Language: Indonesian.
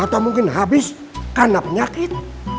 atau mungkin habis karena penyakit